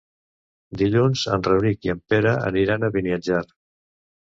Dilluns en Rauric i en Pere aniran a Beniatjar.